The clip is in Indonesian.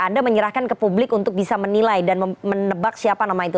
anda menyerahkan ke publik untuk bisa menilai dan menebak siapa nama itu